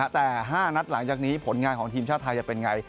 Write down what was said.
แต่๕นัดหลังจากนี้ผลงานของทีมชาติไทยจะเป็นไง